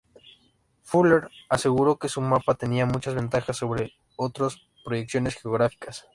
Fuller aseguró que su mapa tenía muchas ventajas sobre otras proyecciones geográficas.